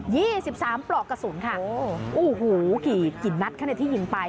นี่๑๓ปลอกกระสุนค่ะอู้หูกลิ่นนัดในที่ยินไป